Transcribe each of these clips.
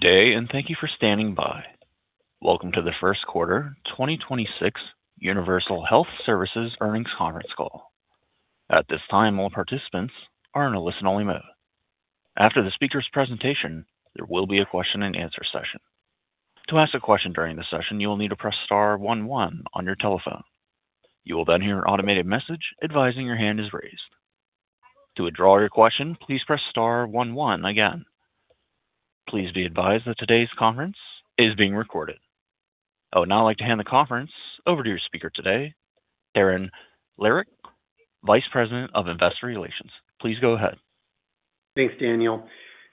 Good day, and thank you for standing by. Welcome to the first quarter 2026 Universal Health Services earnings conference call. At this time, all participants are in a listen-only mode. After the speaker's presentation, there will be a question-and-answer session. To ask a question during the session, you will need to press star one one on your telephone. You will then hear an automated message advising your hand is raised. To withdraw your question, please press star one one again. Please be advised that today's conference is being recorded. I would now like to hand the conference over to your speaker today, Darren Lehrich, Vice President of Investor Relations. Please go ahead. Thanks, Daniel.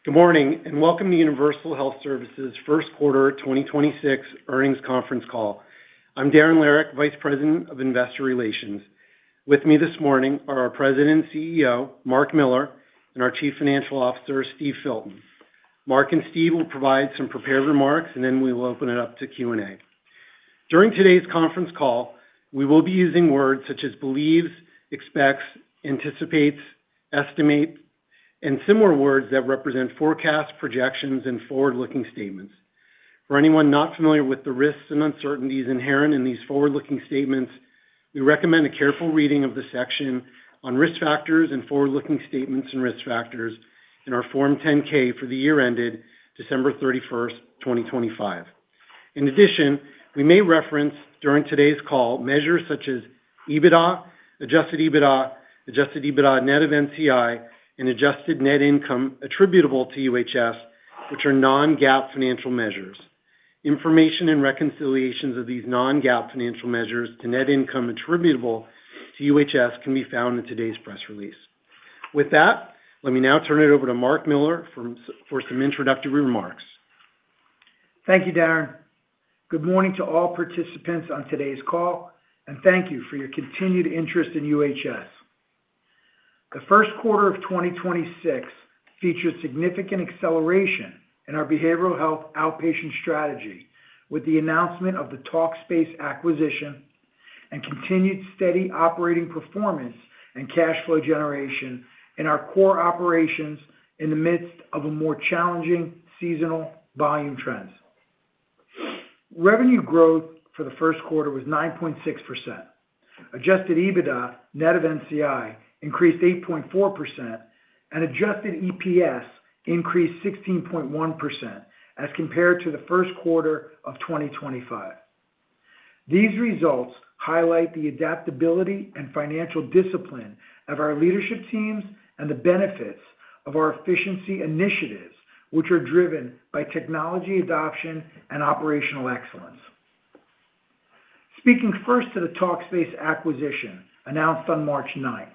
Good morning. Welcome to Universal Health Services first quarter 2026 earnings conference call. I'm Darren Lehrich, Vice President of Investor Relations. With me this morning are our President and CEO, Marc Miller, and our Chief Financial Officer, Steve Filton. Marc and Steve will provide some prepared remarks and then we will open it up to Q&A. During today's conference call, we will be using words such as believes, expects, anticipates, estimate, and similar words that represent forecast projections and forward-looking statements. For anyone not familiar with the risks and uncertainties inherent in these forward-looking statements, we recommend a careful reading of the section on risk factors and forward-looking statements and risk factors in our Form 10-K for the year ended December 31st, 2025. In addition, we may reference during today's call measures such as EBITDA, adjusted EBITDA, adjusted EBITDA net of NCI, and adjusted net income attributable to UHS, which are non-GAAP financial measures. Information and reconciliations of these non-GAAP financial measures to net income attributable to UHS can be found in today's press release. With that, let me now turn it over to Marc Miller for some introductory remarks. Thank you, Darren. Good morning to all participants on today's call, and thank you for your continued interest in UHS. The first quarter of 2026 featured significant acceleration in our behavioral health outpatient strategy with the announcement of the Talkspace acquisition and continued steady operating performance and cash flow generation in our core operations in the midst of a more challenging seasonal volume trends. Revenue growth for the first quarter was 9.6%. Adjusted EBITDA net of NCI increased 8.4%, and adjusted EPS increased 16.1% as compared to the first quarter of 2025. These results highlight the adaptability and financial discipline of our leadership teams and the benefits of our efficiency initiatives, which are driven by technology adoption and operational excellence. Speaking first to the Talkspace acquisition announced on March 9th.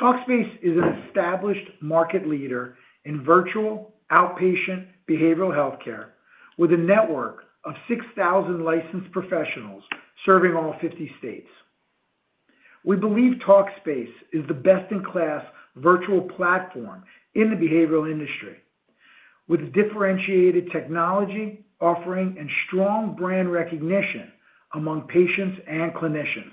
Talkspace is an established market leader in virtual outpatient behavioral healthcare with a network of 6,000 licensed professionals serving all 50 states. We believe Talkspace is the best-in-class virtual platform in the behavioral industry with differentiated technology offering and strong brand recognition among patients and clinicians.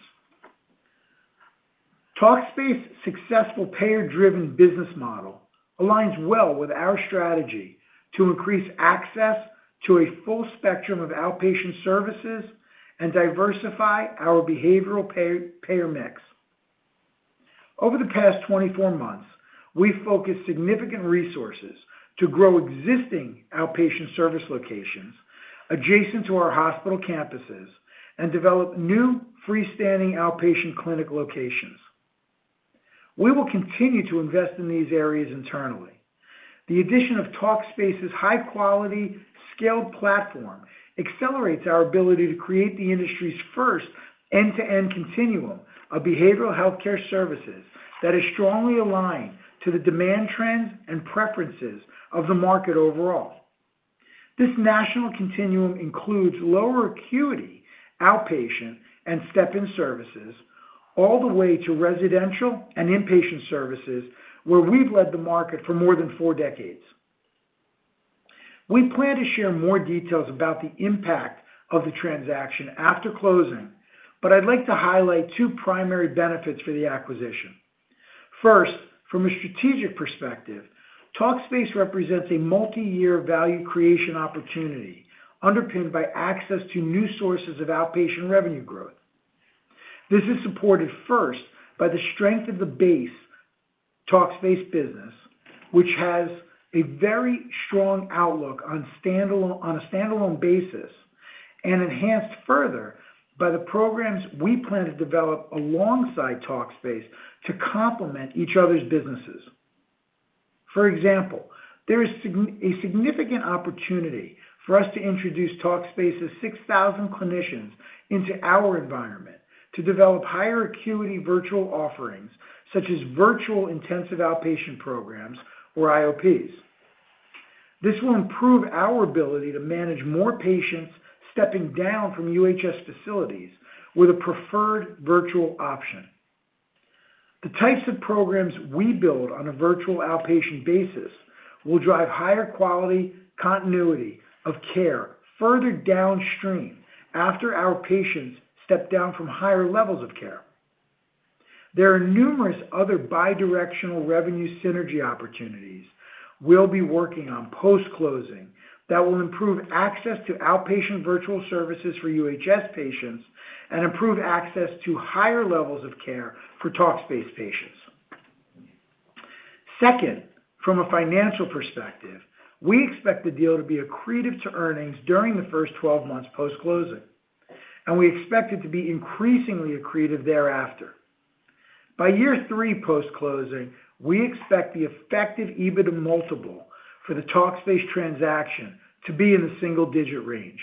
Talkspace successful payer-driven business model aligns well with our strategy to increase access to a full spectrum of outpatient services and diversify our behavioral payer mix. Over the past 24 months, we've focused significant resources to grow existing outpatient service locations adjacent to our hospital campuses and develop new freestanding outpatient clinic locations. We will continue to invest in these areas internally. The addition of Talkspace's high-quality, scaled platform accelerates our ability to create the industry's first end-to-end continuum of behavioral healthcare services that is strongly aligned to the demand trends and preferences of the market overall. This national continuum includes lower acuity, outpatient, and step-in services all the way to residential and inpatient services, where we've led the market for more than four decades. We plan to share more details about the impact of the transaction after closing, but I'd like to highlight two primary benefits for the acquisition. First, from a strategic perspective, Talkspace represents a multi-year value creation opportunity underpinned by access to new sources of outpatient revenue growth. This is supported first by the strength of the base Talkspace business, which has a very strong outlook on a standalone basis and enhanced further by the programs we plan to develop alongside Talkspace to complement each other's businesses. For example, there is a significant opportunity for us to introduce Talkspace's 6,000 clinicians into our environment to develop higher acuity virtual offerings such as virtual intensive outpatient programs or IOPs. This will improve our ability to manage more patients stepping down from UHS facilities with a preferred virtual option. The types of programs we build on a virtual outpatient basis will drive higher quality continuity of care further downstream after our patients step down from higher levels of care. There are numerous other bidirectional revenue synergy opportunities we'll be working on post-closing that will improve access to outpatient virtual services for UHS patients and improve access to higher levels of care for Talkspace patients. Second, from a financial perspective, we expect the deal to be accretive to earnings during the first 12 months post-closing, and we expect it to be increasingly accretive thereafter. By Year 3 post-closing, we expect the effective EBITDA multiple for the Talkspace transaction to be in the single-digit range.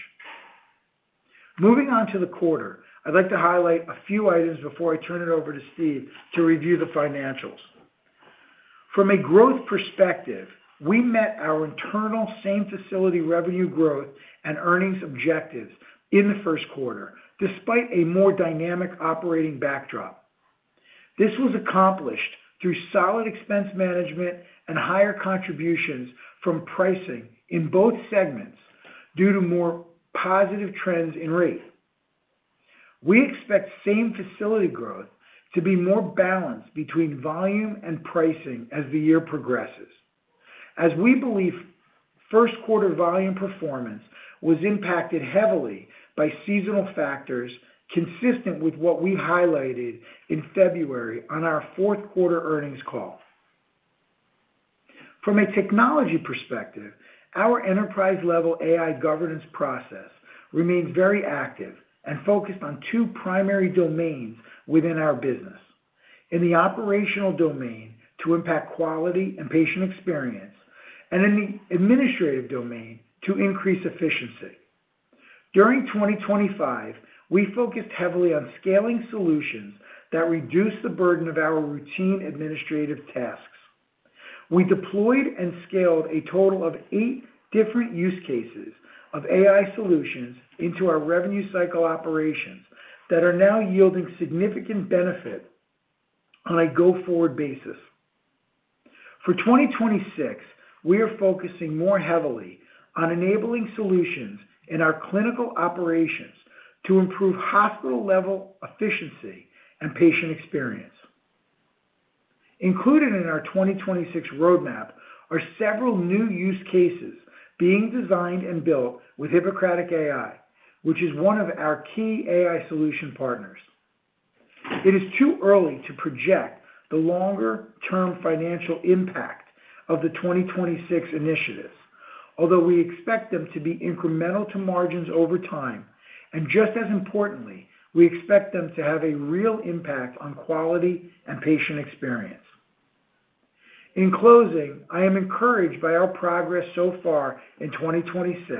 Moving on to the quarter, I'd like to highlight a few items before I turn it over to Steve to review the financials. From a growth perspective, we met our internal same-facility revenue growth and earnings objectives in the first quarter, despite a more dynamic operating backdrop. This was accomplished through solid expense management and higher contributions from pricing in both segments due to more positive trends in rate. We expect same-facility growth to be more balanced between volume and pricing as the year progresses, as we believe first quarter volume performance was impacted heavily by seasonal factors, consistent with what we highlighted in February on our fourth quarter earnings call. From a technology perspective, our enterprise-level AI governance process remains very active and focused on two primary domains within our business. In the operational domain to impact quality and patient experience, and in the administrative domain to increase efficiency. During 2025, we focused heavily on scaling solutions that reduce the burden of our routine administrative tasks. We deployed and scaled a total of eight different use cases of AI solutions into our revenue cycle operations that are now yielding significant benefit on a go-forward basis. For 2026, we are focusing more heavily on enabling solutions in our clinical operations to improve hospital-level efficiency and patient experience. Included in our 2026 roadmap are several new use cases being designed and built with Hippocratic AI, which is one of our key AI solution partners. It is too early to project the longer-term financial impact of the 2026 initiatives, although we expect them to be incremental to margins over time, and just as importantly, we expect them to have a real impact on quality and patient experience. In closing, I am encouraged by our progress so far in 2026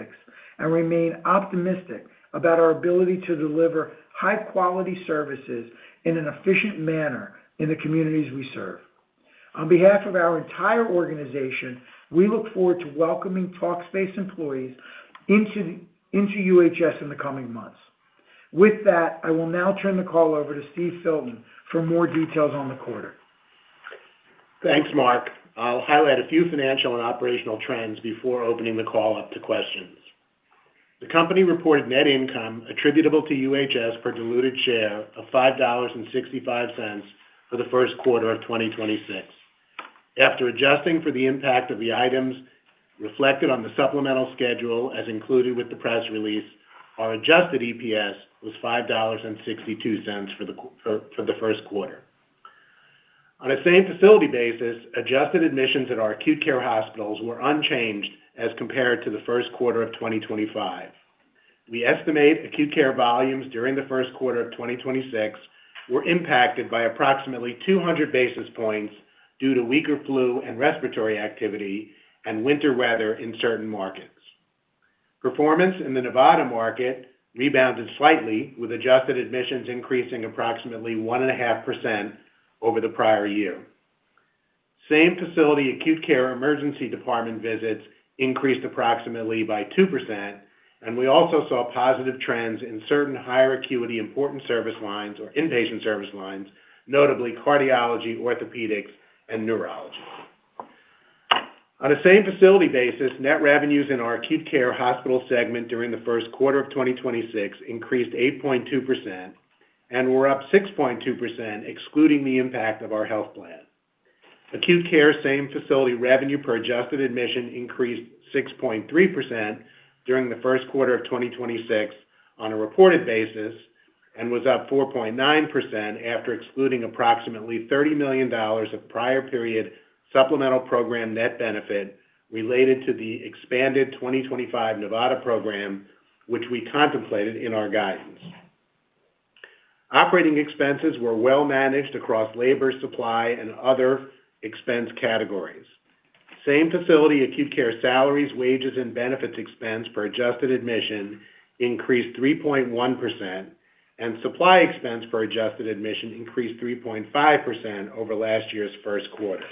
and remain optimistic about our ability to deliver high-quality services in an efficient manner in the communities we serve. On behalf of our entire organization, we look forward to welcoming Talkspace employees into UHS in the coming months. With that, I will now turn the call over to Steve Filton for more details on the quarter. Thanks, Marc. I'll highlight a few financial and operational trends before opening the call up to questions. The company reported net income attributable to UHS per diluted share of $5.65 for the first quarter of 2026. After adjusting for the impact of the items reflected on the supplemental schedule as included with the press release, our adjusted EPS was $5.62 for the first quarter. On a same-facility basis, adjusted admissions at our acute care hospitals were unchanged as compared to the first quarter of 2025. We estimate acute care volumes during the first quarter of 2026 were impacted by approximately 200 basis points due to weaker flu and respiratory activity and winter weather in certain markets. Performance in the Nevada market rebounded slightly, with adjusted admissions increasing approximately 1.5% over the prior year. Same-facility acute care emergency department visits increased approximately by 2%, and we also saw positive trends in certain higher acuity important service lines or inpatient service lines, notably cardiology, orthopedics, and neurology. On a same-facility basis, net revenues in our Acute Care Hospital segment during the first quarter of 2026 increased 8.2% and were up 6.2%, excluding the impact of our health plan. Acute care same-facility revenue per adjusted admission increased 6.3% during the first quarter of 2026 on a reported basis and was up 4.9% after excluding approximately $30 million of prior period supplemental program net benefit related to the expanded 2025 Nevada program, which we contemplated in our guidance. Operating expenses were well managed across labor, supply, and other expense categories. Same-facility acute care salaries, wages, and benefits expense per adjusted admission increased 3.1%, and supply expense per adjusted admission increased 3.5% over last year's first quarter.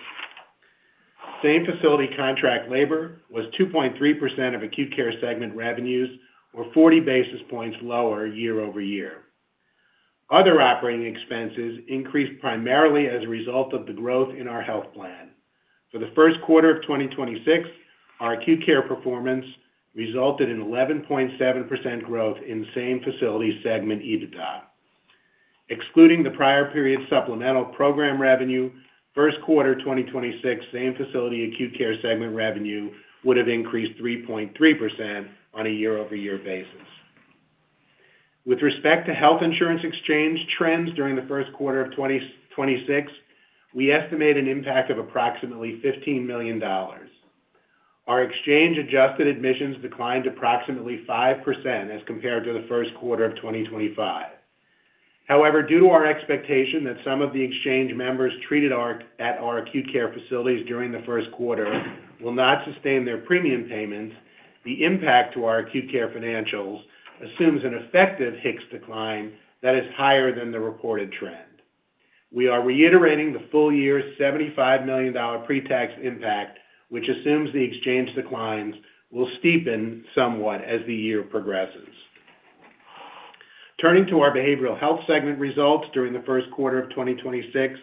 Same-facility contract labor was 2.3% of Acute Care segment revenues, or 40 basis points lower year-over-year. Other operating expenses increased primarily as a result of the growth in our health plan. For the first quarter of 2026, our acute care performance resulted in 11.7% growth in same-facility segment EBITDA. Excluding the prior period supplemental program revenue, first quarter 2026 same-facility Acute Care segment revenue would have increased 3.3% on a year-over-year basis. With respect to health insurance exchange trends during the first quarter of 2026, we estimate an impact of approximately $15 million. Our exchange-adjusted admissions declined approximately 5% as compared to the first quarter of 2025. However, due to our expectation that some of the exchange members treated at our acute care facilities during the first quarter will not sustain their premium payments, the impact to our acute care financials assumes an effective HIX decline that is higher than the reported trend. We are reiterating the full-year $75 million pre-tax impact, which assumes the exchange declines will steepen somewhat as the year progresses. Turning to our Behavioral Health segment results during the first quarter of 2026.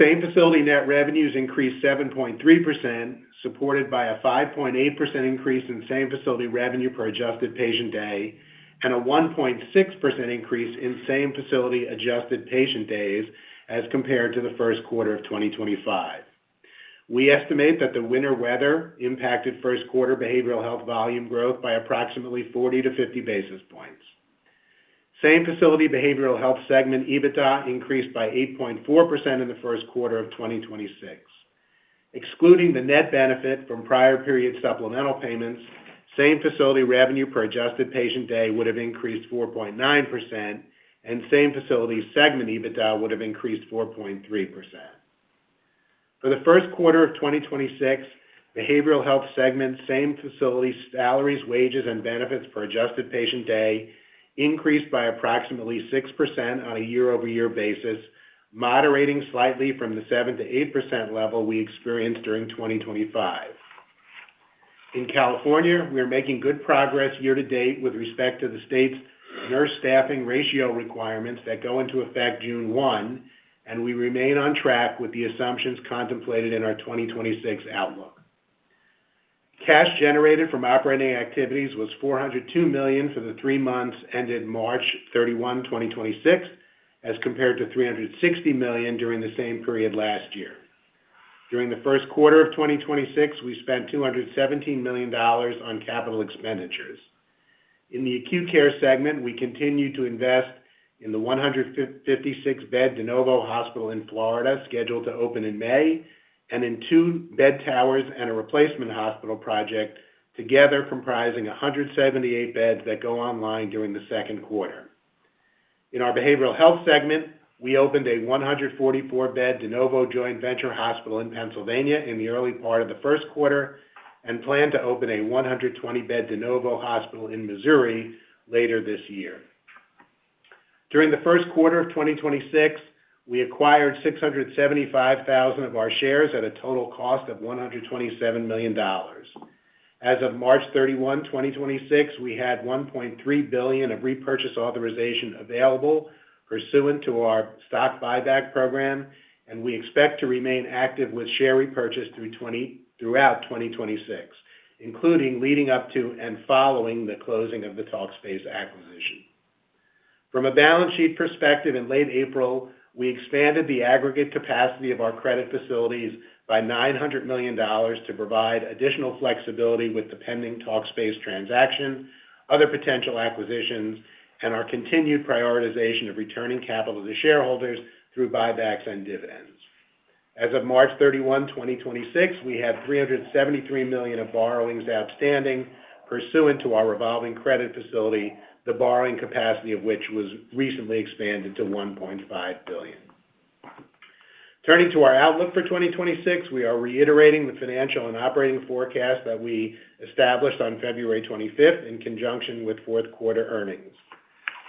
Same-facility net revenues increased 7.3%, supported by a 5.8% increase in same-facility revenue per adjusted patient day and a 1.6% increase in same-facility adjusted patient days as compared to the first quarter of 2025. We estimate that the winter weather impacted first quarter behavioral health volume growth by approximately 40 basis points-50 basis points. Same-facility Behavioral Health segment EBITDA increased by 8.4% in the first quarter of 2026. Excluding the net benefit from prior period supplemental payments, same-facility revenue per adjusted patient day would have increased 4.9%, and same-facility segment EBITDA would have increased 4.3%. For the first quarter of 2026, Behavioral Health segment same facilities, salaries, wages, and benefits per adjusted patient day increased by approximately 6% on a year-over-year basis, moderating slightly from the 7%-8% level we experienced during 2025. In California, we are making good progress year-to-date with respect to the state's nurse staffing ratio requirements that go into effect June 1, and we remain on track with the assumptions contemplated in our 2026 outlook. Cash generated from operating activities was $402 million for the three months ended March 31, 2026, as compared to $360 million during the same period last year. During the first quarter of 2026, we spent $217 million on capital expenditures. In the Acute Care segment, we continue to invest in the 156-bed de novo hospital in Florida, scheduled to open in May, and in two bed towers and a replacement hospital project, together comprising 178 beds that go online during the second quarter. In our Behavioral Health segment, we opened a 144-bed de novo joint venture hospital in Pennsylvania in the early part of the first quarter and plan to open a 120-bed de novo hospital in Missouri later this year. During the first quarter of 2026, we acquired 675,000 of our shares at a total cost of $127 million. As of March 31, 2026, we had $1.3 billion of repurchase authorization available pursuant to our stock buyback program, and we expect to remain active with share repurchase throughout 2026, including leading up to and following the closing of the Talkspace acquisition. From a balance sheet perspective, in late April, we expanded the aggregate capacity of our credit facilities by $900 million to provide additional flexibility with the pending Talkspace transaction, other potential acquisitions, and our continued prioritization of returning capital to shareholders through buybacks and dividends. As of March 31, 2026, we have $373 million of borrowings outstanding pursuant to our revolving credit facility, the borrowing capacity of which was recently expanded to $1.5 billion. Turning to our outlook for 2026, we are reiterating the financial and operating forecast that we established on February 25th in conjunction with fourth quarter earnings.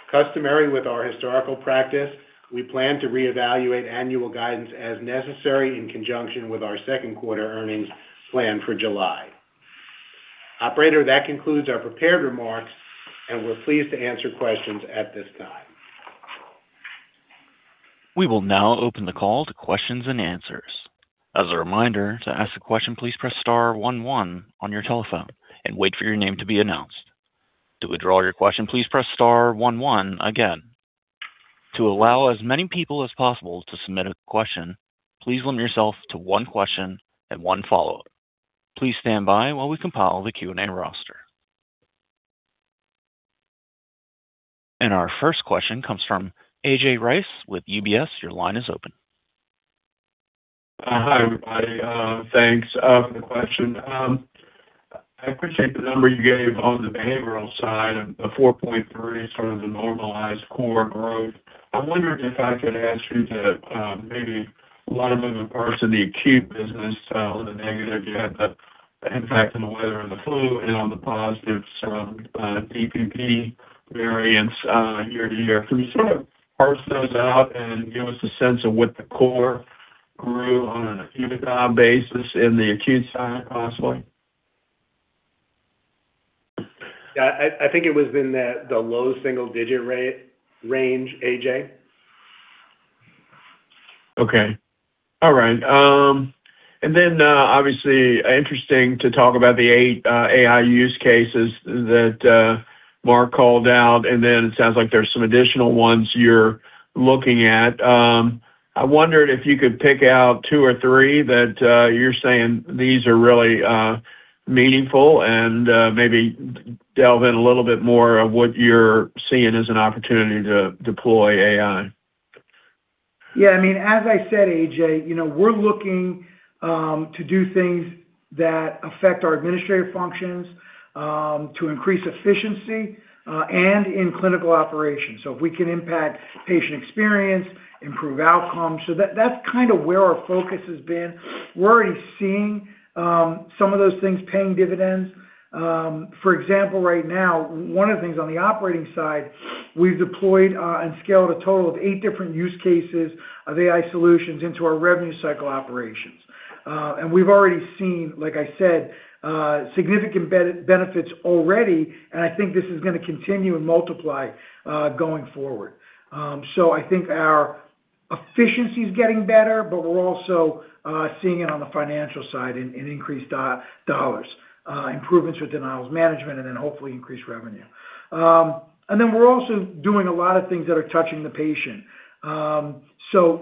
Customary with our historical practice, we plan to reevaluate annual guidance as necessary in conjunction with our second quarter earnings planned for July. Operator, that concludes our prepared remarks, and we're pleased to answer questions at this time. We will now open the call to questions and answers. As a reminder, to ask a question, please press star one one on your telephone and wait for your name to be announced. To withdraw your question, please press star one one again. To allow as many people as possible to submit a question, please limit yourself to one question and one follow-up. Please stand by while we compile the Q&A roster. Our first question comes from AJ Rice with UBS. Your line is open. Hi, everybody. Thanks for the question. I appreciate the number you gave on the behavioral side of the 4.3%, sort of the normalized core growth. I wondered if I could ask you to, maybe a lot of moving parts in the acute business, on the negative, you had the impact on the weather and the flu and on the positive some DPP variance year-to-year. Can you sort of parse those out and give us a sense of what the core grew on an EBITDA basis in the acute side, possibly? Yeah. I think it was in the low-single digit range, AJ. Okay. All right. And then obviously interesting to talk about the eight AI use cases that Marc called out, and then it sounds like there's some additional ones you're looking at. I wondered if you could pick out two or three that you're saying these are really meaningful and maybe delve in a little bit more of what you're seeing as an opportunity to deploy AI. Yeah. I mean, as I said, AJ, you know, we're looking to do things that affect our administrative functions, to increase efficiency, and in clinical operations. So we can impact patient experience, improve outcomes, that's kind of where our focus has been. We're already seeing some of those things paying dividends. For example, right now, one of the things on the operating side, we've deployed and scaled a total of eight different use cases of AI solutions into our revenue cycle operations. And we've already seen, like I said, significant benefits already, and I think this is gonna continue and multiply going forward. So I think our efficiency is getting better, but we're also seeing it on the financial side in increased dollars, improvements with denials management, and then hopefully increased revenue. And then we're also doing a lot of things that are touching the patient.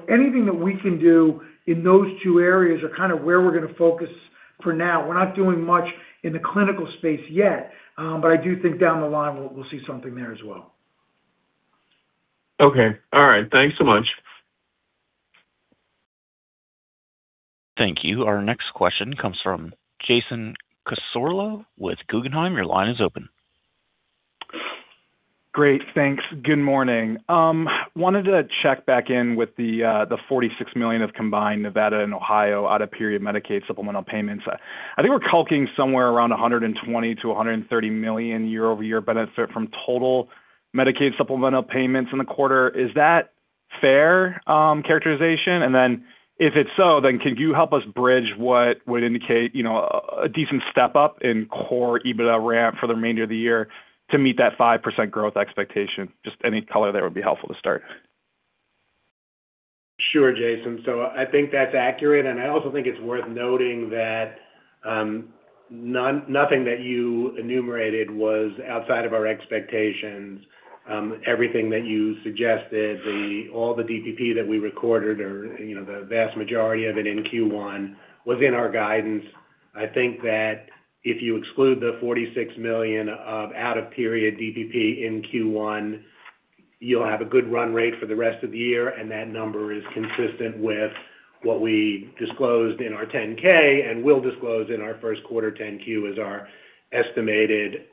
Anything that we can do in those two areas are kind of where we're gonna focus for now. We're not doing much in the clinical space yet, but I do think down the line we'll see something there as well. Okay. All right. Thanks so much. Thank you. Our next question comes from Jason Cassorla with Guggenheim. Your line is open. Great. Thanks. Good morning. Wanted to check back in with the $46 million of combined Nevada and Ohio out of period Medicaid supplemental payments. I think we're calculating somewhere around a $120 million-$130 million year-over-year benefit from total Medicaid supplemental payments in the quarter. Is that fair characterization? If it's so, can you help us bridge what would indicate, you know, a decent step up in core EBITDA ramp for the remainder of the year to meet that 5% growth expectation? Just any color there would be helpful to start. Sure, Jason. I think that's accurate, and I also think it's worth noting that nothing that you enumerated was outside of our expectations. Everything that you suggested, all the DPP that we recorded or, you know, the vast majority of it in Q1 was in our guidance. I think that if you exclude the $46 million of out of period DPP in Q1, you'll have a good run rate for the rest of the year, and that number is consistent with what we disclosed in our 10-K and will disclose in our first quarter 10-Q as our estimated,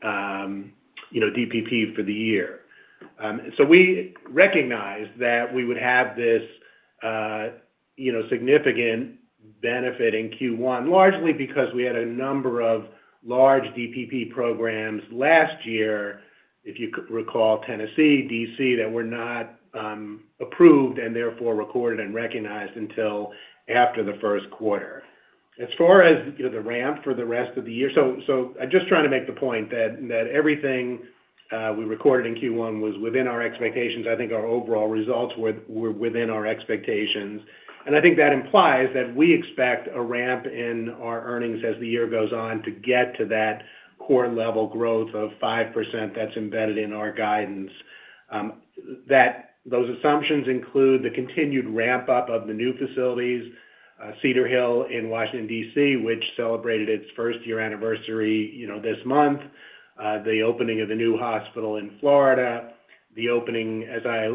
you know, DPP for the year. We recognized that we would have this, you know, significant benefit in Q1, largely because we had a number of large DPP programs last year, if you could recall, Tennessee, D.C., that were not approved and therefore recorded and recognized until after the first quarter. As far as, you know, the ramp for the rest of the year, so I'm just trying to make the point that everything we recorded in Q1 was within our expectations. I think our overall results were within our expectations. I think that implies that we expect a ramp in our earnings as the year goes on to get to that core level growth of 5% that's embedded in our guidance. Those assumptions include the continued ramp-up of the new facilities, Cedar Hill in Washington D.C., which celebrated its first-year anniversary, you know, this month. The opening of the new hospital in Florida, the opening, as I,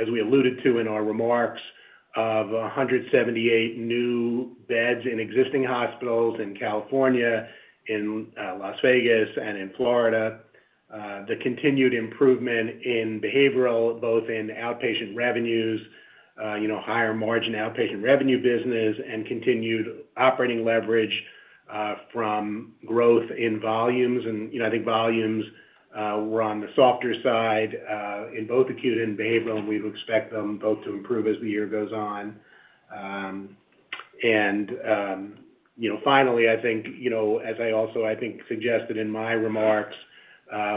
as we alluded to in our remarks, of 178 new beds in existing hospitals in California, in Las Vegas and in Florida. The continued improvement in behavioral, both in outpatient revenues, you know, higher margin outpatient revenue business, and continued operating leverage from growth in volumes. You know, I think volumes were on the softer side in both acute and behavioral, and we would expect them both to improve as the year goes on. You know, finally, I think, you know, as I also, I think, suggested in my remarks,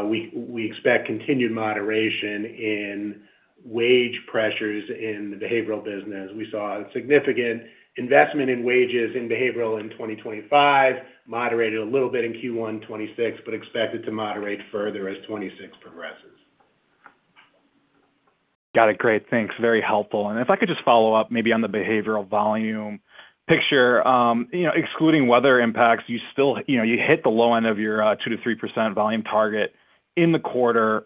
we expect continued moderation in wage pressures in the behavioral business. We saw a significant investment in wages in behavioral in 2025, moderated a little bit in Q1 2026, but expect it to moderate further as 2026 progresses. Got it. Great. Thanks. Very helpful. If I could just follow up maybe on the behavioral volume picture. You know, excluding weather impacts, you still, you know, you hit the low end of your 2%-3% volume target in the quarter.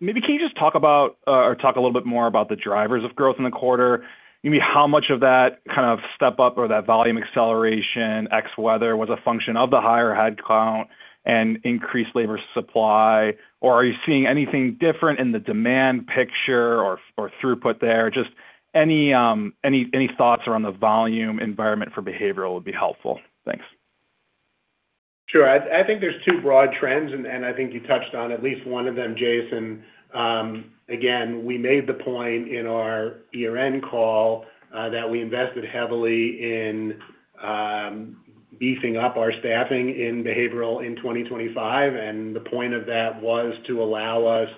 Maybe can you just talk about or talk a little bit more about the drivers of growth in the quarter? Maybe how much of that kind of step-up or that volume acceleration X weather was a function of the higher headcount and increased labor supply, or are you seeing anything different in the demand picture or throughput there? Just any thoughts around the volume environment for behavioral would be helpful. Thanks. Sure. I think there's two broad trends, and I think you touched on at least one of them, Jason. Again, we made the point in our year-end call that we invested heavily in beefing up our staffing in behavioral in 2025, and the point of that was to allow us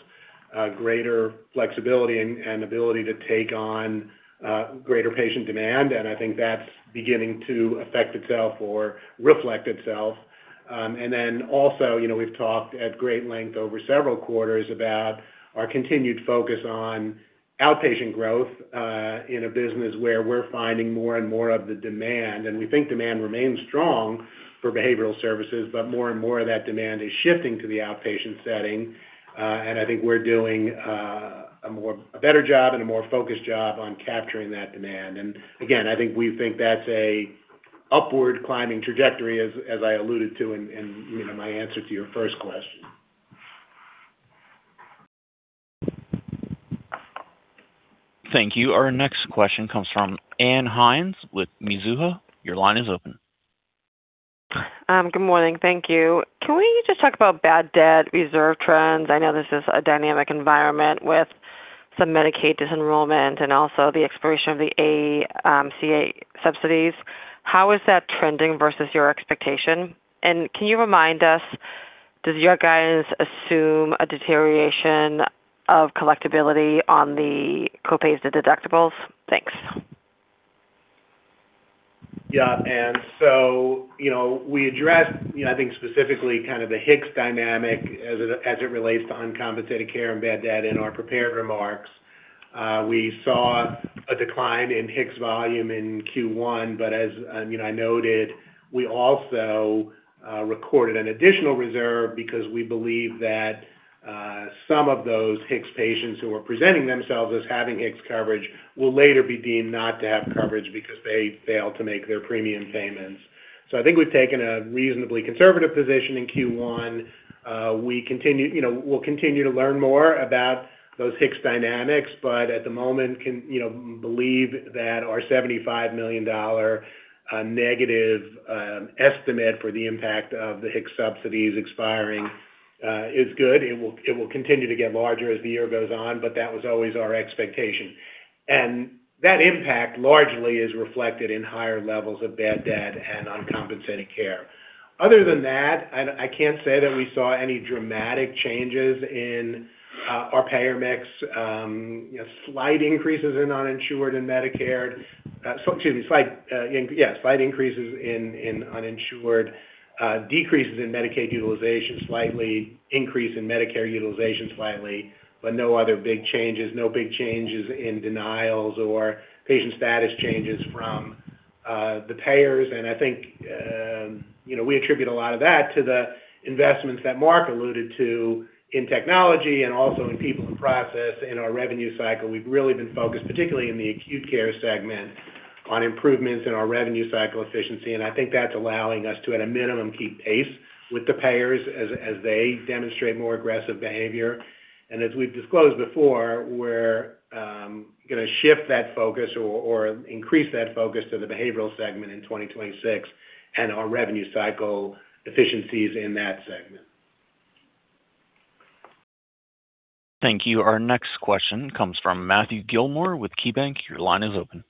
greater flexibility and ability to take on greater patient demand. I think that's beginning to affect itself or reflect itself. Also, you know, we've talked at great length over several quarters about our continued focus on outpatient growth in a business where we're finding more and more of the demand. We think demand remains strong for behavioral services, but more and more of that demand is shifting to the outpatient setting. I think we're doing a better job and a more focused job on capturing that demand. Again, I think we think that's a upward climbing trajectory, as I alluded to in, you know, my answer to your first question. Thank you. Our next question comes from Ann Hynes with Mizuho. Your line is open. Good morning. Thank you. Can we just talk about bad debt reserve trends? I know this is a dynamic environment with some Medicaid disenrollment and also the expiration of the ACA subsidies. How is that trending versus your expectation? Can you remind us, does your guidance assume a deterioration of collectibility on the co-pays to deductibles? Thanks. Ann, you know, we addressed, you know, I think, specifically kind of the HIX dynamic as it relates to uncompensated care and bad debt in our prepared remarks. We saw a decline in HIX volume in Q1, as you know, I noted, we also recorded an additional reserve because we believe that some of those HIX patients who are presenting themselves as having HIX coverage will later be deemed not to have coverage because they failed to make their premium payments. I think we've taken a reasonably conservative position in Q1. We'll continue to learn more about those HIX dynamics, but at the moment can, you know, believe that our $75 million negative estimate for the impact of the HIX subsidies expiring is good. It will continue to get larger as the year goes on, but that was always our expectation. That impact largely is reflected in higher levels of bad debt and uncompensated care. Other than that, I can't say that we saw any dramatic changes in our payer mix. You know, slight increases in uninsured and Medicare. Excuse me, slight, yes, slight increases in uninsured, decreases in Medicaid utilization, slightly increase in Medicare utilization slightly, but no other big changes. No big changes in denials or patient status changes from the payers. I think, you know, we attribute a lot of that to the investments that Marc alluded to in technology and also in people and process in our revenue cycle. We've really been focused, particularly in the Acute Care segment, on improvements in our revenue cycle efficiency. I think that's allowing us to, at a minimum, keep pace with the payers as they demonstrate more aggressive behavior. As we've disclosed before, we're gonna shift that focus or increase that focus to the behavioral segment in 2026 and our revenue cycle efficiencies in that segment. Thank you. Our next question comes from Matthew Gillmor with KeyBanc. Your line is open.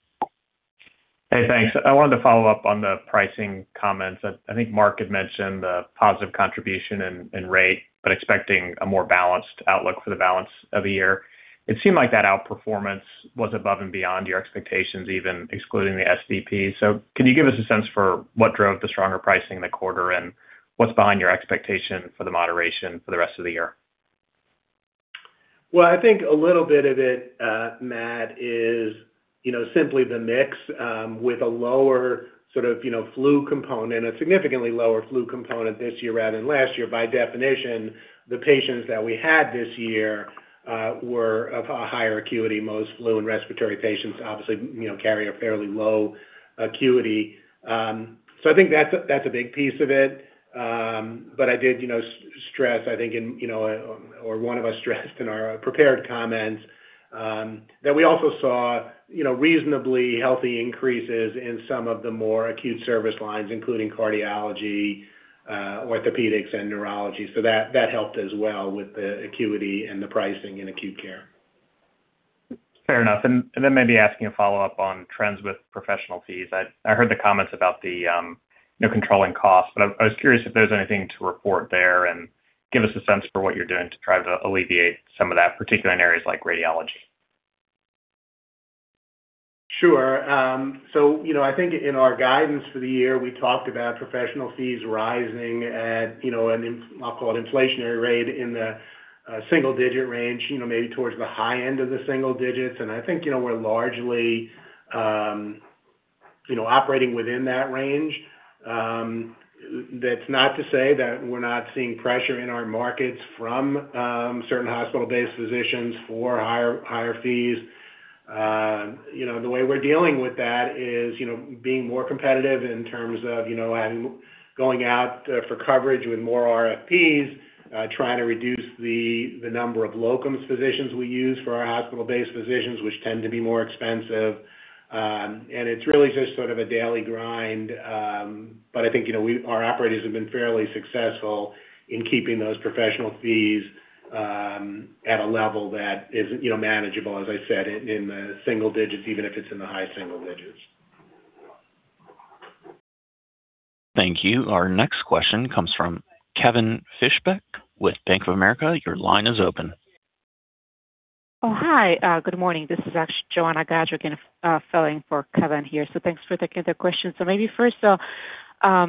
Hey, thanks. I wanted to follow up on the pricing comments. I think Marc had mentioned the positive contribution and rate, but expecting a more balanced outlook for the balance of the year. It seemed like that outperformance was above and beyond your expectations, even excluding the DPP. Can you give us a sense for what drove the stronger pricing in the quarter, and what's behind your expectation for the moderation for the rest of the year? I think a little bit of it, Matt, is, you know, simply the mix, with a lower sort of, you know, flu component, a significantly lower flu component this year rather than last year. By definition, the patients that we had this year were of a higher acuity. Most flu and respiratory patients obviously, you know, carry a fairly low acuity. I think that's a big piece of it. I did, you know, stress, I think in, you know, or one of us stressed in our prepared comments that we also saw, you know, reasonably healthy increases in some of the more acute service lines, including cardiology, orthopedics and neurology. That helped as well with the acuity and the pricing in acute care. Fair enough. Maybe asking a follow-up on trends with professional fees. I heard the comments about the, you know, controlling costs, but I was curious if there's anything to report there and give us a sense for what you're doing to try to alleviate some of that, particularly in areas like radiology. Sure. You know, I think in our guidance for the year, we talked about professional fees rising at, you know, I'll call it inflationary rate in the single-digit range, you know, maybe towards the high end of the single digits. I think, you know, we're largely, you know, operating within that range. That's not to say that we're not seeing pressure in our markets from certain hospital-based physicians for higher fees. You know, the way we're dealing with that is, you know, being more competitive in terms of, you know, going out for coverage with more RFP, trying to reduce the number of locums physicians we use for our hospital-based physicians, which tend to be more expensive. It's really just sort of a daily grind. But I think our operators have been fairly successful in keeping those professional fees at a level that is manageable, as I said, in the single digits, even if it's in the high single digits. Thank you. Our next question comes from Kevin Fischbeck with Bank of America. Your line is open. Hi, good morning. This is actually Joanna Gajuk filling for Kevin here. Thanks for taking the question. Maybe first, I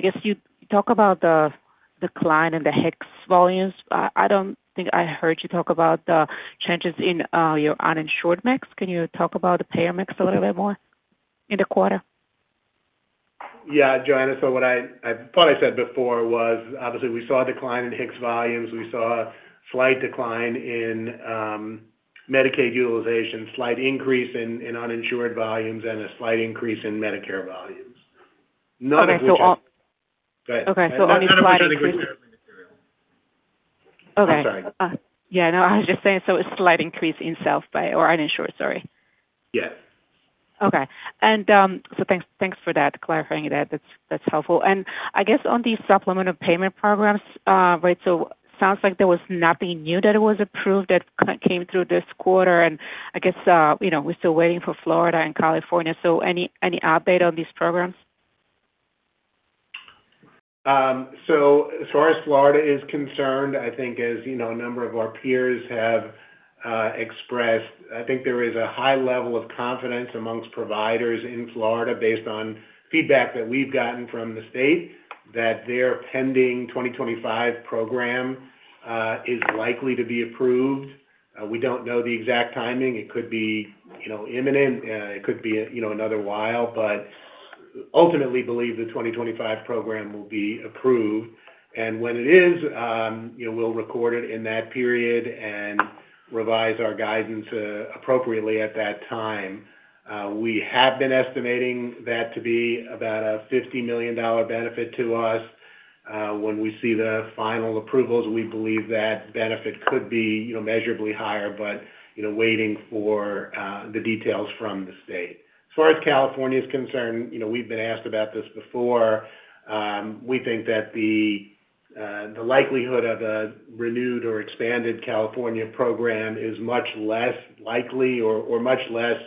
guess you talk about the decline in the HIX volumes. I don't think I heard you talk about the changes in your uninsured mix. Can you talk about the payer mix a little bit more in the quarter? Yeah, Joanna. What I thought I said before was obviously we saw a decline in HIX volumes. We saw a slight decline in Medicaid utilization, slight increase in uninsured volumes, and a slight increase in Medicare volumes. None of which are- Okay. Go ahead. Okay. On a slight increase. I'm sorry. Yeah, no. I was just saying, a slight increase in self-pay or uninsured, sorry. Yes. Okay. Thanks for that, clarifying that. That's helpful. I guess on the supplemental payment programs, right? Sounds like there was nothing new that was approved that came through this quarter. I guess, you know, we're still waiting for Florida and California. Any update on these programs? As far as Florida is concerned, I think as, you know, a number of our peers have expressed, I think there is a high level of confidence amongst providers in Florida based on feedback that we've gotten from the state that their pending 2025 program is likely to be approved. We don't know the exact timing. It could be, you know, imminent. It could be, you know, another while. But ultimately believe the 2025 program will be approved. When it is, you know, we'll record it in that period and revise our guidance appropriately at that time. We have been estimating that to be about a $50 million benefit to us. When we see the final approvals, we believe that benefit could be, you know, measurably higher, but, you know, waiting for the details from the state. As far as California is concerned, you know, we've been asked about this before. We think that the likelihood of a renewed or expanded California program is much less likely or much less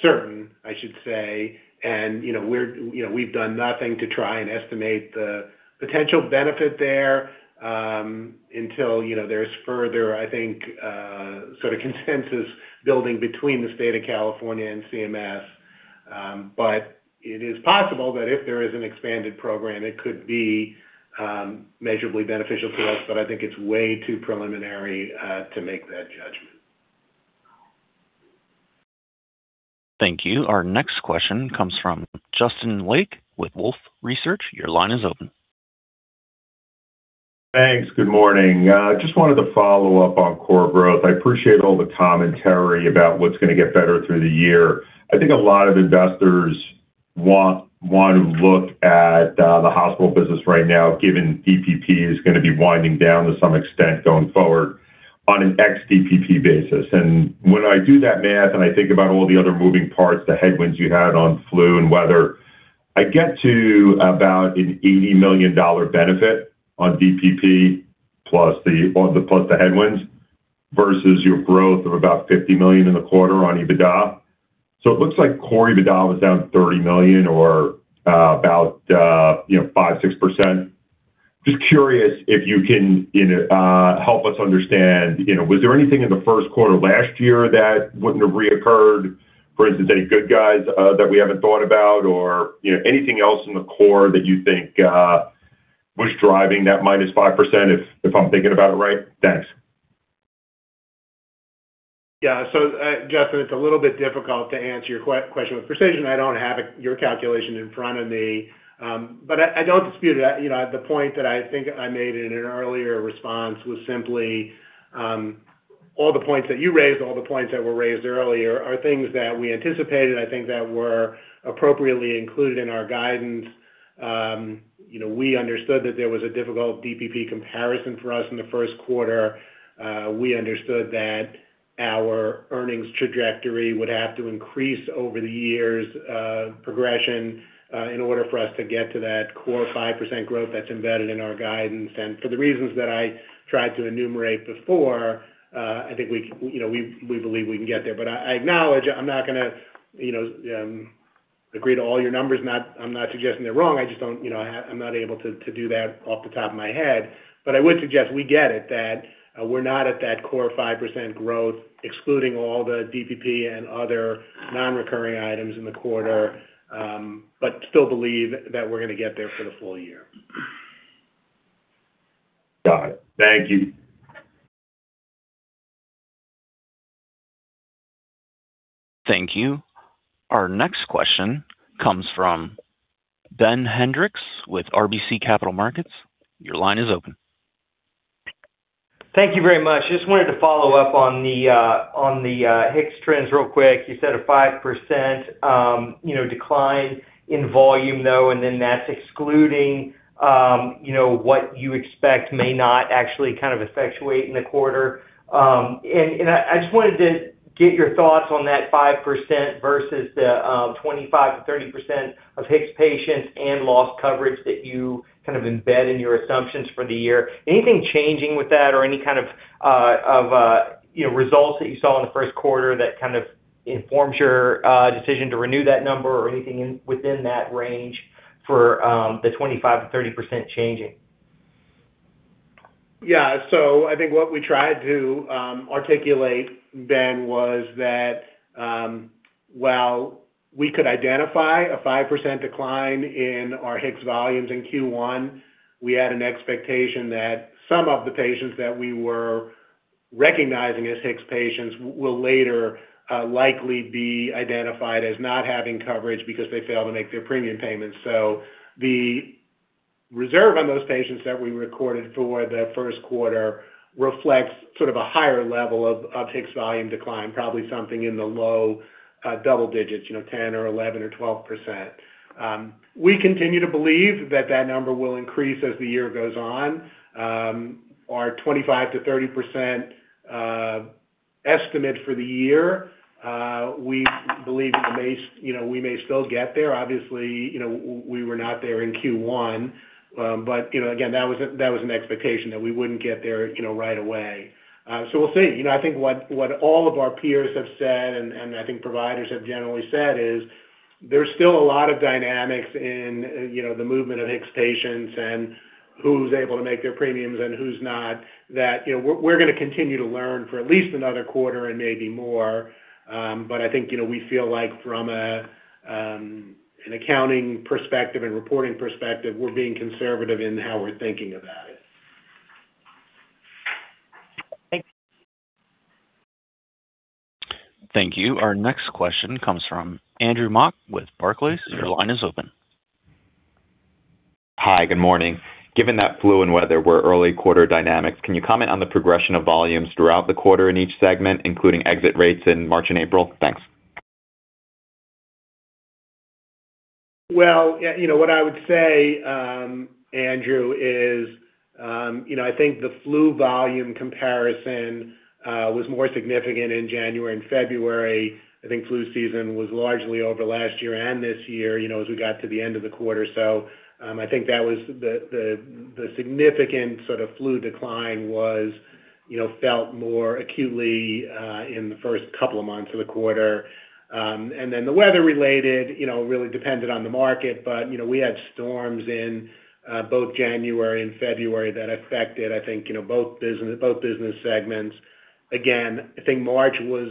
certain, I should say. You know, we're, you know, we've done nothing to try and estimate the potential benefit there until, you know, there's further, I think, sort of consensus building between the state of California and CMS. But it is possible that if there is an expanded program, it could be measurably beneficial to us, but I think it's way too preliminary to make that judgment. Thank you. Our next question comes from Justin Lake with Wolfe Research. Your line is open. Thanks. Good morning. Just wanted to follow up on core growth. I appreciate all the commentary about what's gonna get better through the year. I think a lot of investors want to look at the hospital business right now, given DPP is gonna be winding down to some extent going forward on an ex-DPP basis. When I do that math and I think about all the other moving parts, the headwinds you had on flu and weather, I get to about an $80 million benefit on DPP plus the headwinds versus your growth of about $50 million in the quarter on EBITDA. It looks like core EBITDA was down $30 million or about, you know, 5%, 6%. Just curious if you can, you know, help us understand, you know, was there anything in the first quarter last year that wouldn't have reoccurred? For instance, any good guys, that we haven't thought about or, you know, anything else in the core that you think, was driving that -5%, if I'm thinking about it right? Thanks. Justin, it's a little bit difficult to answer your question with precision. I don't have your calculation in front of me. But I don't dispute it. You know, the point that I think I made in an earlier response was simply, all the points that you raised, all the points that were raised earlier are things that we anticipated, I think that were appropriately included in our guidance. You know, we understood that there was a difficult DPP comparison for us in the first quarter. We understood that our earnings trajectory would have to increase over the years, progression, in order for us to get to that core 5% growth that's embedded in our guidance. For the reasons that I tried to enumerate before, I think we, you know, we believe we can get there. I acknowledge I'm not gonna, you know, agree to all your numbers. I'm not suggesting they're wrong. I just don't, you know, I'm not able to do that off the top of my head. I would suggest we get it, that we're not at that core 5% growth, excluding all the DPP and other non-recurring items in the quarter, but still believe that we're gonna get there for the full year. Got it. Thank you. Thank you. Our next question comes from Ben Hendrix with RBC Capital Markets. Your line is open. Thank you very much. Just wanted to follow up on the HIX trends real quick. You said a 5%, you know, decline in volume, though, and then that's excluding, you know, what you expect may not actually kind of effectuate in the quarter. I just wanted to get your thoughts on that 5% versus the 25%-30% of HIX patients and lost coverage that you kind of embed in your assumptions for the year. Anything changing with that or any kind of, you know, results that you saw in the first quarter that kind of informs your decision to renew that number or anything within that range for the 25%-30% changing? Yeah. I think what we tried to articulate then was that, while we could identify a 5% decline in our HIX volumes in Q1, we had an expectation that some of the patients that we were recognizing as HIX patients will later likely be identified as not having coverage because they failed to make their premium payments. The reserve on those patients that we recorded for the first quarter reflects sort of a higher level of HIX volume decline, probably something in the low double digits, you know, 10% or 11% or 12%. We continue to believe that that number will increase as the year goes on. Our 25%-30% estimate for the year, we believe it may, you know, we may still get there. Obviously, you know, we were not there in Q1. You know, again, that was a, that was an expectation that we wouldn't get there, you know, right away. So we'll see. You know, I think what all of our peers have said, and I think providers have generally said is there's still a lot of dynamics in, you know, the movement of HIX patients and who's able to make their premiums and who's not, that, you know, we're gonna continue to learn for at least another quarter and maybe more. I think, you know, we feel like from a, an accounting perspective and reporting perspective, we're being conservative in how we're thinking about it. Thanks. Thank you. Our next question comes from Andrew Mok with Barclays. Your line is open. Hi. Good morning. Given that flu and weather were early quarter dynamics, can you comment on the progression of volumes throughout the quarter in each segment, including exit rates in March and April? Thanks. Well, you know what I would say, Andrew is, you know, I think the flu volume comparison was more significant in January and February. I think flu season was largely over last year and this year, you know, as we got to the end of the quarter. I think that was the significant sort of flu decline was, you know, felt more acutely in the first couple of months of the quarter. The weather-related, you know, really depended on the market. But, you know, we had storms in both January and February that affected, I think, you know, both business segments. Again, I think March was,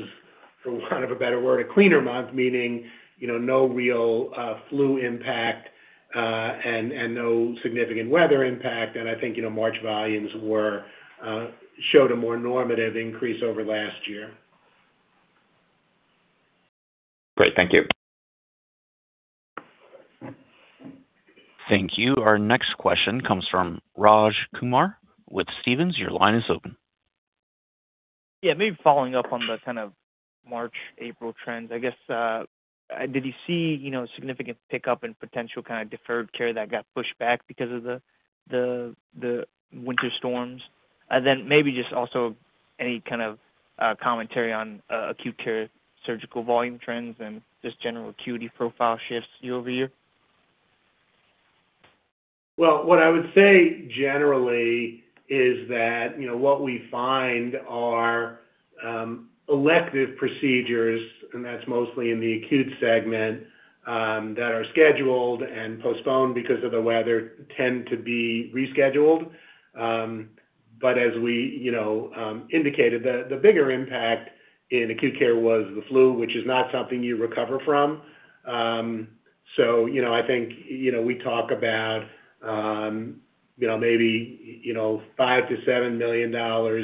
for want of a better word, a cleaner month, meaning, you know, no real flu impact and no significant weather impact. I think, you know, March volumes were showed a more normative increase over last year. Great. Thank you. Thank you. Our next question comes from Raj Kumar with Stephens. Your line is open. Yeah. Maybe following up on the kind of March, April trends, I guess, did you see, you know, significant pickup in potential kind of deferred care that got pushed back because of the winter storms? Maybe just also any kind of commentary on acute care surgical volume trends and just general acuity profile shifts year-over-year. What I would say generally is that, you know, what we find are elective procedures, and that's mostly in the acute segment, that are scheduled and postponed because of the weather tend to be rescheduled. As we, you know, indicated, the bigger impact in acute care was the flu, which is not something you recover from. You know, I think, you know, we talk about, you know, maybe, you know, $5 million-$7 million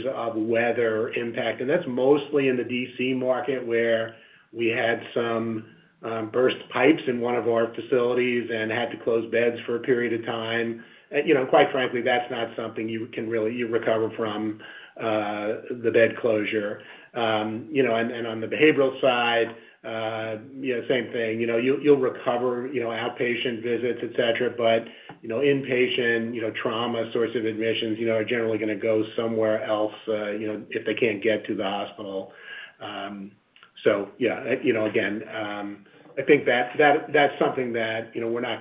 of weather impact, and that's mostly in the D.C. market, where we had some burst pipes in one of our facilities and had to close beds for a period of time. You know, quite frankly, that's not something you can really recover from, the bed closure. You know, and on the behavioral side, you know, same thing. You know, you'll recover, you know, outpatient visits, et cetera. You know, inpatient, you know, trauma sorts of admissions, you know, are generally gonna go somewhere else, you know, if they can't get to the hospital. Yeah, you know, again, I think that's something that, you know,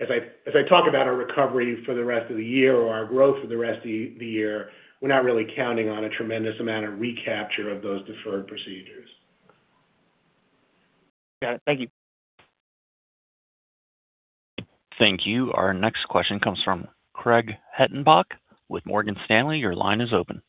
as I talk about our recovery for the rest of the year or our growth for the rest of the year, we're not really counting on a tremendous amount of recapture of those deferred procedures. Got it. Thank you. Thank you. Our next question comes from Craig Hettenbach with Morgan Stanley. Your line is open.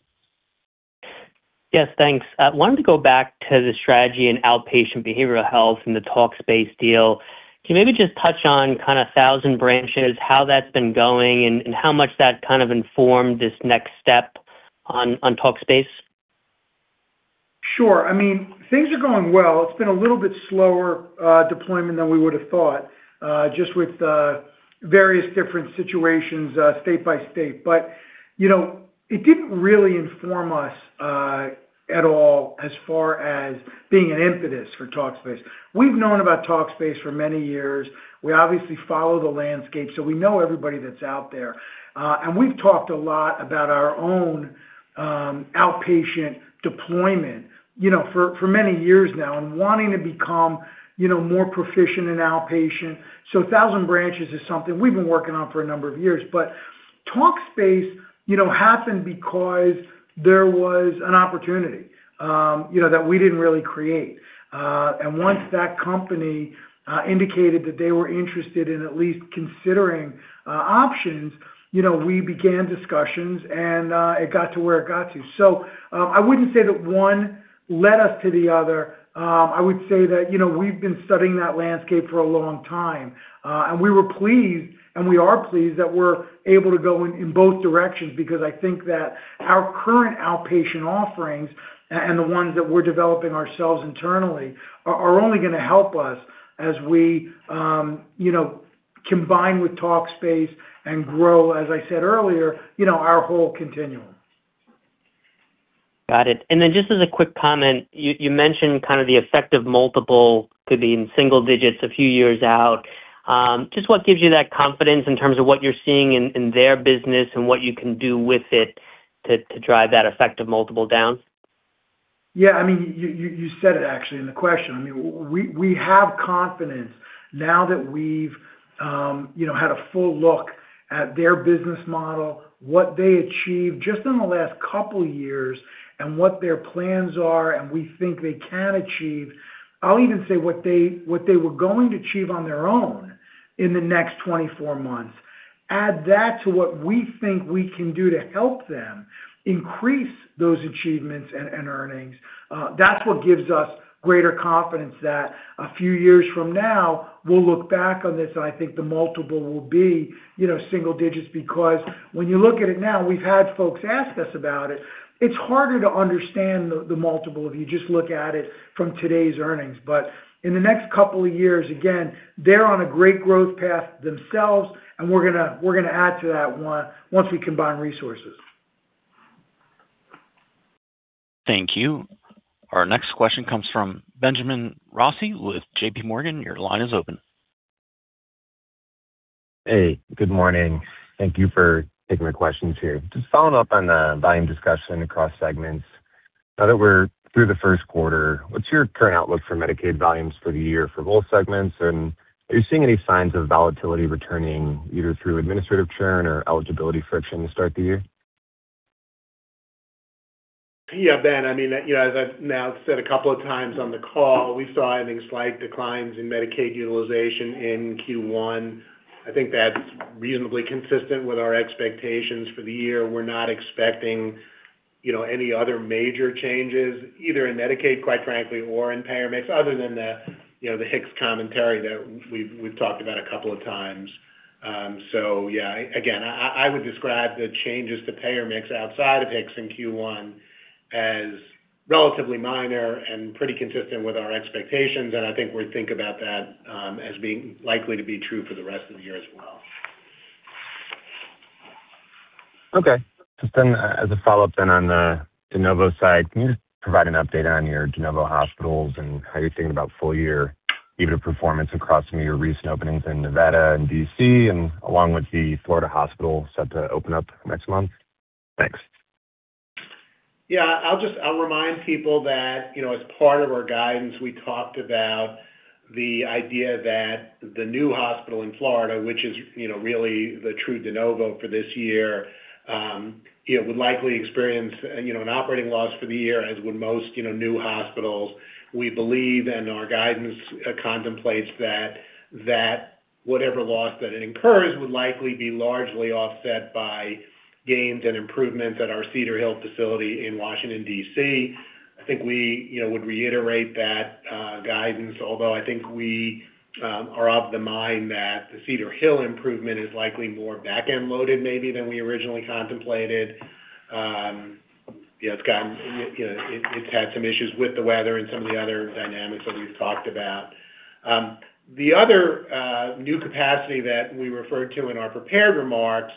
Yes, thanks. I wanted to go back to the strategy in outpatient behavioral health and the Talkspace deal. Can you maybe just touch on kind of Thousand Branches, how that's been going, and how much that kind of informed this next step on Talkspace? Sure. I mean, things are going well. It's been a little bit slower deployment than we would have thought, just with various different situations, state by state. You know, it didn't really inform us at all as far as being an impetus for Talkspace. We've known about Talkspace for many years. We obviously follow the landscape, we know everybody that's out there. We've talked a lot about our own outpatient deployment, you know, for many years now and wanting to become, you know, more proficient in outpatient. Thousand Branches is something we've been working on for a number of years. But Talkspace, you know, happened because there was an opportunity, you know, that we didn't really create. Once that company indicated that they were interested in at least considering options, you know, we began discussions, and it got to where it got to. I wouldn't say that one led us to the other. I would say that, you know, we've been studying that landscape for a long time, and we were pleased, and we are pleased that we're able to go in both directions because I think that our current outpatient offerings and the ones that we're developing ourselves internally are only gonna help us as we, you know, combine with Talkspace and grow, as I said earlier, you know, our whole continuum. Got it. Just as a quick comment, you mentioned kind of the effective multiple could be in single digits a few years out. Just what gives you that confidence in terms of what you're seeing in their business and what you can do with it to drive that effective multiple down? Yeah. I mean, you said it actually in the question. I mean, we have confidence now that we've, you know, had a full look at their business model, what they achieved just in the last couple years and what their plans are, and we think they can achieve. I'll even say what they were going to achieve on their own in the next 24 months. Add that to what we think we can do to help them increase those achievements and earnings, that's what gives us greater confidence that a few years from now we'll look back on this, and I think the multiple will be, you know, single digits because when you look at it now, we've had folks ask us about it. It's harder to understand the multiple if you just look at it from today's earnings. But in the next couple of years, again, they're on a great growth path themselves, and we're gonna add to that one once we combine resources. Thank you. Our next question comes from Benjamin Rossi with JPMorgan. Your line is open. Hey, good morning. Thank you for taking my questions here. Just following up on the volume discussion across segments. Now that we're through the first quarter, what's your current outlook for Medicaid volumes for the year for both segments? Are you seeing any signs of volatility returning either through administrative churn or eligibility friction to start the year? Yeah. Ben, I mean, you know, as I've now said a couple of times on the call, we saw, I think, slight declines in Medicaid utilization in Q1. I think that's reasonably consistent with our expectations for the year. We're not expecting, you know, any other major changes either in Medicaid, quite frankly, or in payer mix other than the, you know, the HIX commentary that we've talked about a couple of times. Yeah, again, I would describe the changes to payer mix outside of HIX in Q1 as relatively minor and pretty consistent with our expectations, and I think we think about that as being likely to be true for the rest of the year as well. Okay. Just then as a follow-up then on the de novo side, can you just provide an update on your de novo hospitals and how you're thinking about full-year EBITDA performance across some of your recent openings in Nevada and D.C. and along with the Florida hospital set to open up next month? Thanks. Yeah. I'll remind people that, you know, as part of our guidance, we talked about the idea that the new hospital in Florida, which is, you know, really the true de novo for this year, you know, would likely experience, you know, an operating loss for the year as would most, you know, new hospitals. We believe and our guidance contemplates that whatever loss that it incurs would likely be largely offset by gains and improvements at our Cedar Hill facility in Washington, D.C. I think we, you know, would reiterate that guidance, although I think we are of the mind that the Cedar Hill improvement is likely more back-end loaded maybe than we originally contemplated. You know, it's gotten, you know, it's had some issues with the weather and some of the other dynamics that we've talked about. The other new capacity that we referred to in our prepared remarks,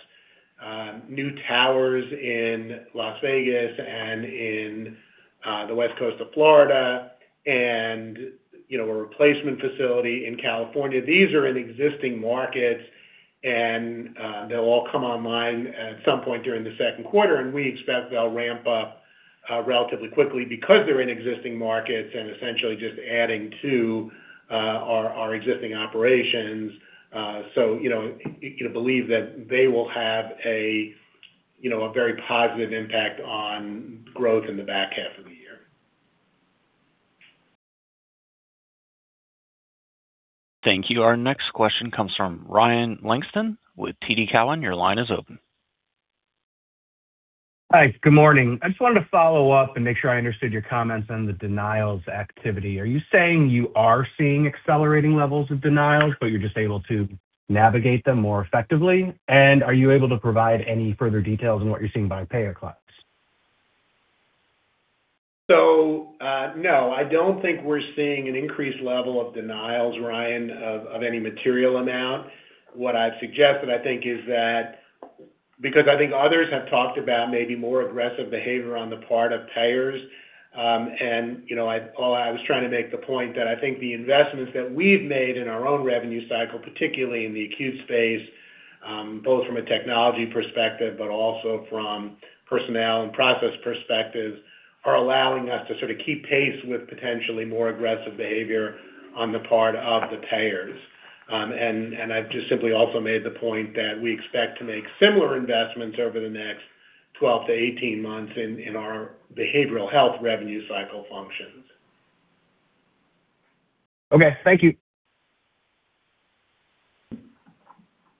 new towers in Las Vegas and in the West Coast of Florida and, you know, a replacement facility in California. These are in existing markets, and they'll all come online at some point during the second quarter, and we expect they'll ramp up relatively quickly because they're in existing markets and essentially just adding to our existing operations. You know, you can believe that they will have a, you know, a very positive impact on growth in the back half of the year. Thank you. Our next question comes from Ryan Langston with TD Cowen. Your line is open. Hi, good morning. I just wanted to follow up and make sure I understood your comments on the denials activity. Are you saying you are seeing accelerating levels of denials, but you're just able to navigate them more effectively? Are you able to provide any further details on what you're seeing by payer class? No, I don't think we're seeing an increased level of denials, Ryan, of any material amount. What I've suggested, I think, is that because I think others have talked about maybe more aggressive behavior on the part of payers, and you know, all I was trying to make the point that I think the investments that we've made in our own revenue cycle, particularly in the acute space, both from a technology perspective, but also from personnel and process perspectives, are allowing us to sort of keep pace with potentially more aggressive behavior on the part of the payers. I've just simply also made the point that we expect to make similar investments over the next 12 months-18 months in our behavioral health revenue cycle functions. Okay. Thank you.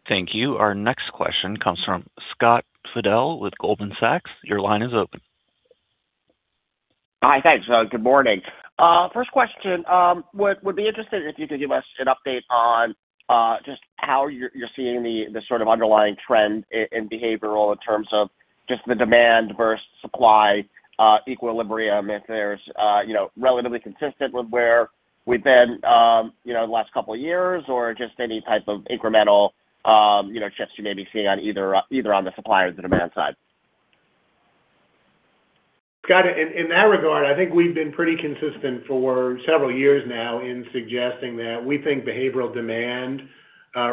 Thank you. Our next question comes from Scott Fidel with Goldman Sachs. Your line is open. Hi. Thanks. Good morning. First question, would be interested if you could give us an update on just how you're seeing the sort of underlying trend in behavioral in terms of just the demand versus supply equilibrium, if there's, you know, relatively consistent with where we've been, you know, the last couple years or just any type of incremental, you know, shifts you may be seeing on either on the supply or the demand side. Scott, in that regard, I think we've been pretty consistent for several years now in suggesting that we think behavioral demand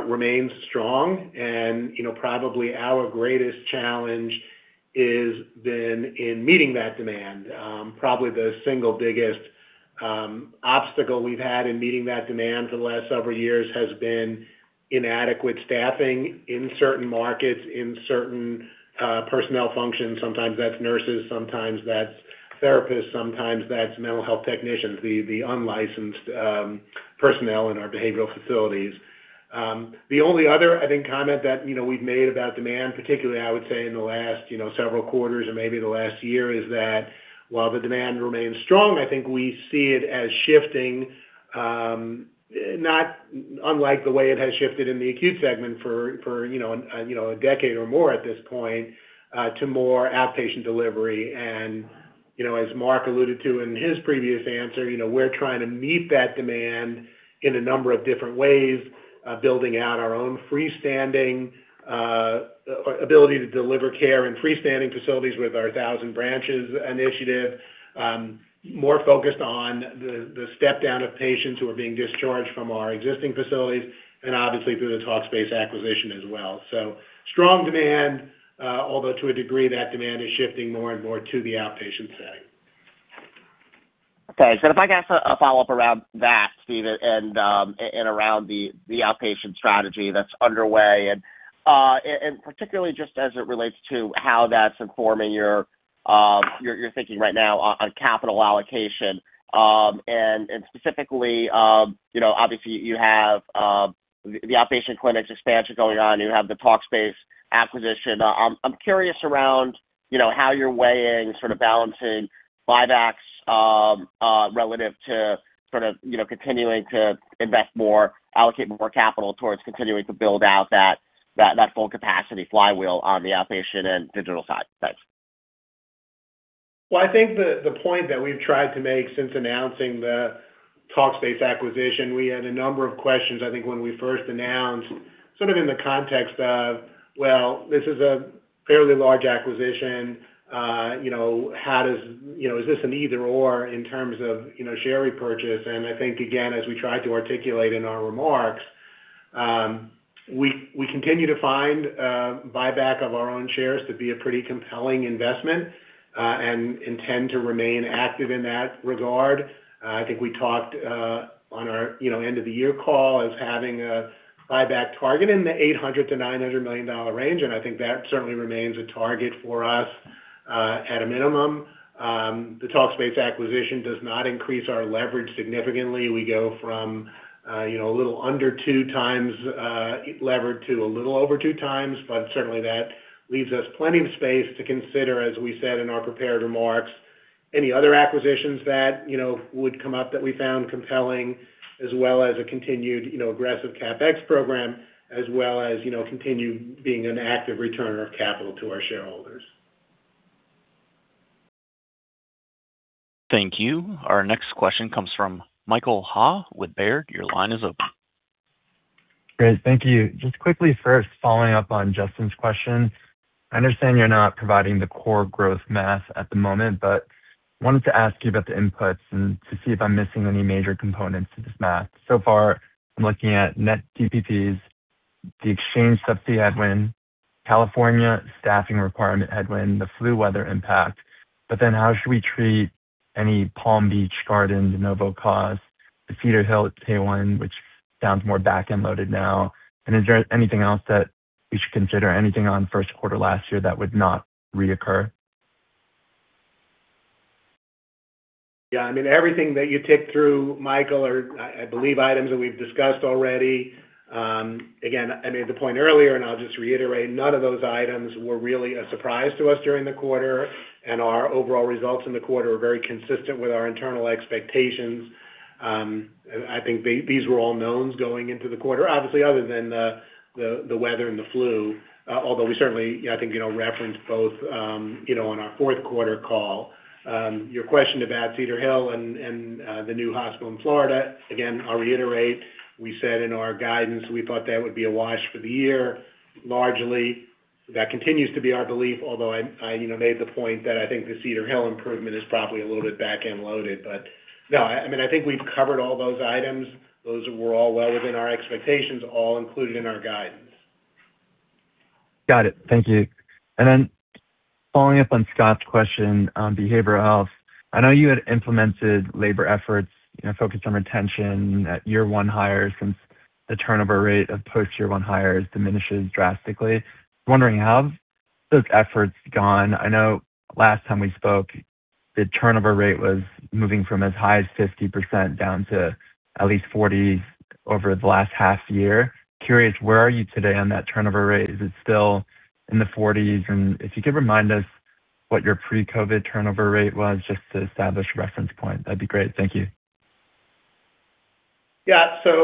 remains strong. You know, probably our greatest challenge is been in meeting that demand. Probably the single biggest obstacle we've had in meeting that demand for the last several years has been inadequate staffing in certain markets, in certain personnel functions. Sometimes that's nurses, sometimes that's therapists, sometimes that's mental health technicians, the unlicensed personnel in our behavioral facilities. The only other, I think, comment that, you know, we've made about demand, particularly I would say in the last, you know, several quarters or maybe the last year, is that while the demand remains strong, I think we see it as shifting, not unlike the way it has shifted in the acute segment for, you know, a, you know, a decade or more at this point, to more outpatient delivery. You know, as Marc alluded to in his previous answer, you know, we're trying to meet that demand in a number of different ways, building out our own freestanding, ability to deliver care in freestanding facilities with our Thousand Branches initiative, more focused on the step-down of patients who are being discharged from our existing facilities and obviously through the Talkspace acquisition as well. So strong demand, although to a degree, that demand is shifting more and more to the outpatient setting. Okay. If I can ask a follow-up around that, Steve, and around the outpatient strategy that's underway, and particularly just as it relates to how that's informing your thinking right now on capital allocation. Specifically, you know, obviously you have the outpatient clinic expansion going on, you have the Talkspace acquisition. I'm curious around, you know, how you're weighing, sort of balancing buybacks relative to sort of, you know, continuing to invest more, allocate more capital towards continuing to build out that full capacity flywheel on the outpatient and digital side. Thanks. I think the point that we've tried to make since announcing the Talkspace acquisition, we had a number of questions, I think, when we first announced sort of in the context of, this is a fairly large acquisition. You know, is this an either/or in terms of, you know, share repurchase? I think, again, as we tried to articulate in our remarks, we continue to find buyback of our own shares to be a pretty compelling investment and intend to remain active in that regard. I think we talked on our, you know, end of the year call as having a buyback target in the $800 million-$900 million range, and I think that certainly remains a target for us at a minimum. The Talkspace acquisition does not increase our leverage significantly. We go from, a little under two times, levered to a little over two times, but certainly that leaves us plenty of space to consider, as we said in our prepared remarks, any other acquisitions that would come up that we found compelling, as well as a continued, aggressive CapEx program, as well as, continue being an active returner of capital to our shareholders. Thank you. Our next question comes from Michael Ha with Baird. Your line is open. Great. Thank you. Just quickly first following up on Justin's question. I understand you're not providing the core growth math at the moment, but wanted to ask you about the inputs and to see if I'm missing any major components to this math. So far, I'm looking at net DPPs, the exchange sub fee headwind, California staffing requirement headwind, the flu weather impact. But then how should we treat any Palm Beach Gardens de novo cause, the Cedar Hill tailwind, which sounds more back-end loaded now? Is there anything else that we should consider, anything on first quarter last year that would not reoccur? Yeah. I mean, everything that you ticked through, Michael, are I believe items that we've discussed already. Again, I made the point earlier, and I'll just reiterate, none of those items were really a surprise to us during the quarter, and our overall results in the quarter were very consistent with our internal expectations. I think these were all knowns going into the quarter, obviously other than the weather and the flu. Although we certainly, I think, you know, referenced both, you know, on our fourth quarter call. Your question about Cedar Hill and the new hospital in Florida, again, I'll reiterate, we said in our guidance we thought that would be a wash for the year. Largely, that continues to be our belief, although I, you know, made the point that I think the Cedar Hill improvement is probably a little bit back-end loaded. No, I mean, I think we've covered all those items. Those were all well within our expectations, all included in our guidance. Got it. Thank you. Following up on Scott's question on behavioral health, I know you had implemented labor efforts, you know, focused on retention at Year 1 hires since the turnover rate of post Year 1 hires diminishes drastically. I'm wondering, how have those efforts gone? I know last time we spoke, the turnover rate was moving from as high as 50% down to at least 40 over the last half year. Curious, where are you today on that turnover rate? Is it still in the 40s? If you could remind us what your pre-COVID turnover rate was, just to establish a reference point, that'd be great. Thank you.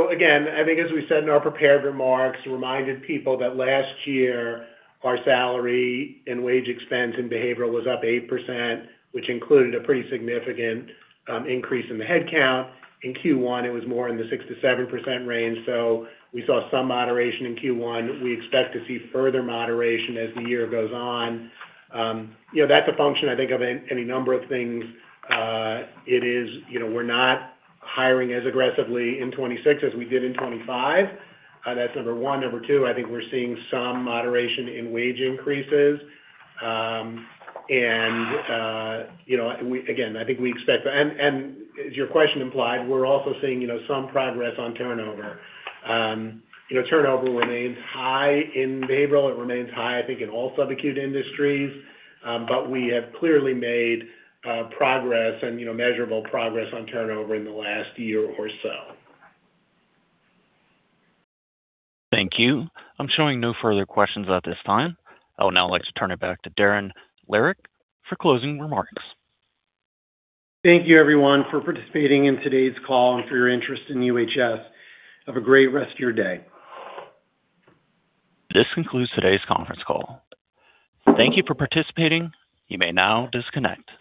Again, I think as we said in our prepared remarks, reminded people that last year our salary and wage expense in behavioral was up 8%, which included a pretty significant increase in the headcount. In Q1, it was more in the 6%-7% range, so we saw some moderation in Q1. We expect to see further moderation as the year goes on. You know, that's a function, I think, of any number of things. It is, you know, we're not hiring as aggressively in 2026 as we did in 2025. That's number one. Number two, I think we're seeing some moderation in wage increases. You know, again, I think we expect. As your question implied, we're also seeing, you know, some progress on turnover. You know, turnover remains high in behavioral. It remains high, I think, in all sub-acute industries. But we have clearly made progress and, you know, measurable progress on turnover in the last year or so. Thank you. I'm showing no further questions at this time. I would now like to turn it back to Darren Lehrich for closing remarks. Thank you, everyone, for participating in today's call and for your interest in UHS. Have a great rest of your day. This concludes today's conference call. Thank you for participating. You may now disconnect.